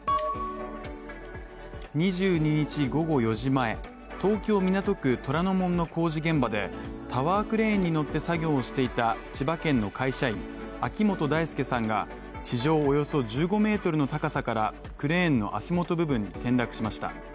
２２日午後４時前、東京・港区虎ノ門の工事現場でタワークレーンに乗って作業をしていた千葉県の会社員・秋元大助さんが、地上およそ１５ｍの高さから、クレーンの足元部分に転落しました。